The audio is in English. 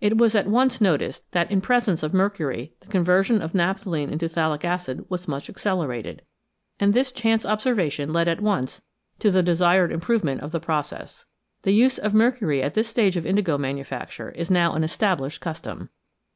It was at once noticed that in presence of mercury the conversion of naphthalene into phthalic acid was much accelerated, and this chance observation led at once to the desired improvement of the process. The use of mercury at this stage of indigo manufacture is now an established custom.